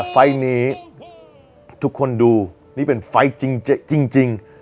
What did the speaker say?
ไฟล์นี้ทุกคนดูนี่เป็นไฟล์จริง